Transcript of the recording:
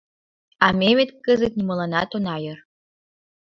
А ме вет кызыт нимоланат она ӧр.